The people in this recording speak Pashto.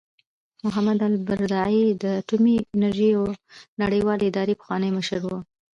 محمد البرادعي د اټومي انرژۍ نړیوالې ادارې پخوانی مشر و.